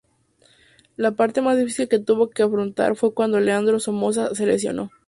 La parte más difícil que tuvo que afrontar fue cuando Leandro Somoza se lesionó.